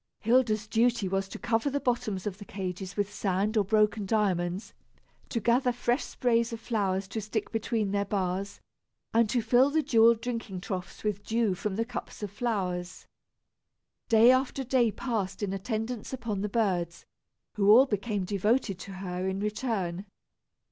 Hilda's duty was to cover the bottoms of the cages with sand of broken diamonds, to gather fresh sprays of flowers to stick between their bars, and to fill the jewelled drinking troughs with dew from the cups of flowers. Day after day passed in attendance upon the birds, who all became devoted to her, in return.